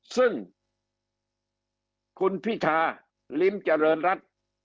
ซึ่งคุณพิธาลิ้มเจริญรัฐ